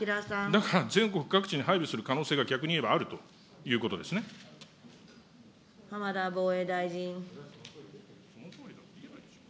だから全国各地に配備する可能性が、逆に言えばあるというこ浜田防衛大臣。